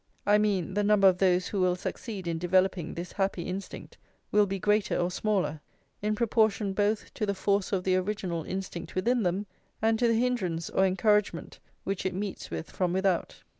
I mean, the number of those who will succeed in developing this happy instinct will be greater or smaller, in proportion both to the force of the original instinct within them, and to the hindrance or encouragement which it meets with from without.